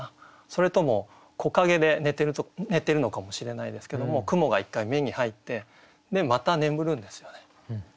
それとも木陰で寝てるのかもしれないですけども雲が一回目に入ってでまた眠るんですよね。